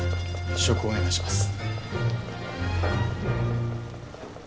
試食をお願いします。